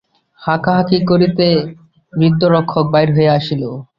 হাঁকাহাঁকি করিতে বৃদ্ধ রক্ষক বাহির হইয়া আসিল।